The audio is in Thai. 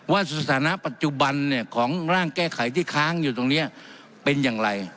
สถานะปัจจุบันของร่างแก้ไขที่ค้างอยู่ตรงนี้เป็นอย่างไร